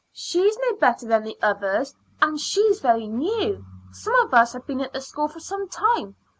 "She's no better than the others, and she's very new. Some of us have been at the school for some time.